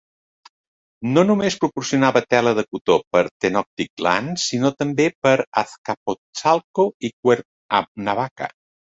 No només proporcionava tela de cotó per a Tenochtitlan, sinó també per Azcapotzalco i Cuerhavaca.